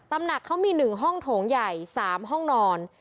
หนักเขามี๑ห้องโถงใหญ่๓ห้องนอน